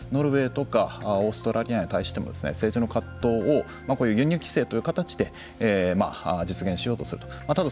ノルウェーとかオーストラリアに関しても政治の葛藤を輸入規制という形で実現しようとする。